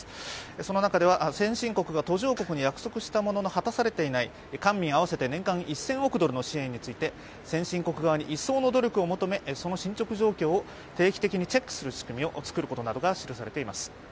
その中では先進国が途上国に約束したものの果たされていない官民合わせて年間１０００億ドルの支援について先進国側に一層の努力を求めその進捗状況を定期的にチェックする仕組みを作ることなどが示されています。